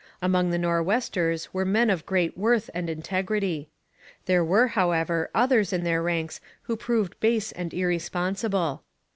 Among the Nor'westers were men of great worth and integrity. There were, however, others in their ranks who proved base and irresponsible.